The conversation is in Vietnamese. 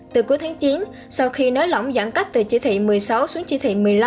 từ cuối tháng chín sau khi nới lỏng giãn cách từ chỉ thị một mươi sáu xuống chỉ thị một mươi năm